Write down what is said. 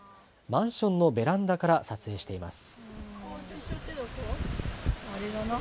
マンションのベランダから撮影しています。